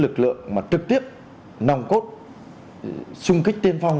lực lượng mà trực tiếp nòng cốt xung kích tiên phong